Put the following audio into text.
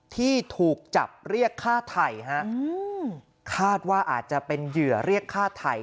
ที่ถูกจับเรียกฆ่าไทยฮะคาดว่าอาจจะเป็นเหยื่อเรียกฆ่าไทย